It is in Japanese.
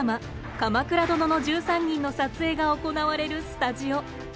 「鎌倉殿の１３人」の撮影が行われるスタジオ。